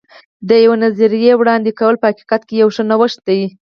د یوې نوې نظریې وړاندې کول په حقیقت کې یو ښه نوښت دی.